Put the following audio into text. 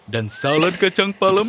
dan salad kacang palem